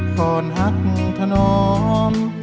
ขอนหักทนนอม